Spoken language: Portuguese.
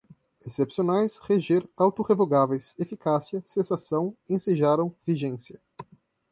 excepcionais, reger, auto-revogáveis, eficácia, cessação, ensejaram, vigência